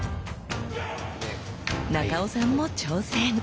中尾さんも挑戦！